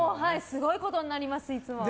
すごいことになります、いつも。